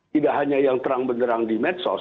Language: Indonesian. tidak hanya yang terang benderang di medsos